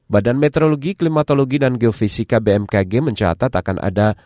badan meteorologi klimatologi dan geofisika bmkg mencatat akan ada